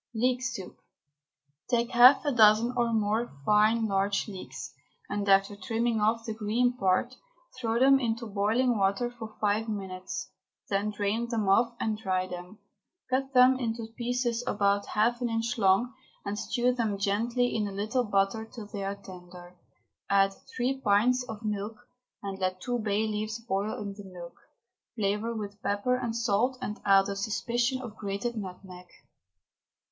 LEEK SOUP. Take half a dozen or more fine large leeks, and after trimming off the green part, throw them into boiling water for five minutes, then drain them off and dry them. Cut them into pieces about half an inch long, and stew them gently in a little butter till they are tender. Add three pints of milk, and let two bay leaves boil in the milk, flavour with pepper and salt, and add a suspicion of grated nutmeg.